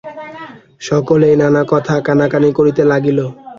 সকলেই নানা কথা কানাকানি করিতে লাগিল।